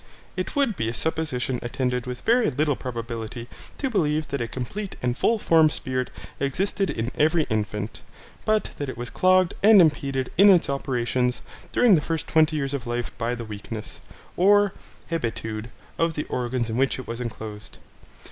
It would be a supposition attended with very little probability to believe that a complete and full formed spirit existed in every infant, but that it was clogged and impeded in its operations during the first twenty years of life by the weakness, or hebetude, of the organs in which it was enclosed.